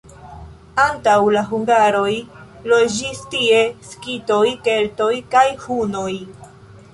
Antaŭ la hungaroj loĝis tie skitoj, keltoj kaj hunoj.